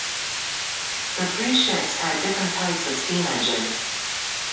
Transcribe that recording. The three ships had different types of steam engine.